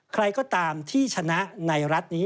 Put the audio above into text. ใครก็ตามที่ชนะในรัฐนี้